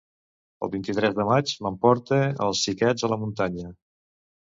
El vint-i-tres de maig m'emporte els xiquets a la muntanya.